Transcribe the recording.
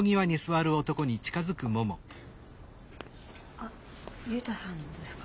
あ雄太さんですか？